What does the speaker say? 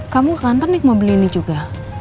kamu ke kantor nih mau beli ini juga